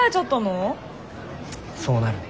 そうなるね。